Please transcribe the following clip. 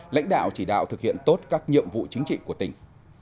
lãnh đạo chỉ đạo thực hiện tốt các nhiệm vụ chính trị của tỉnh